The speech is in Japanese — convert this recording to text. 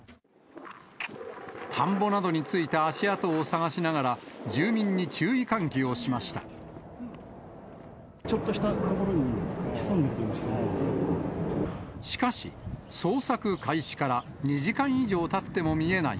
田んぼなどについた足跡を探しながら、ちょっとした所に潜んでるかしかし、捜索開始から２時間以上たっても見えない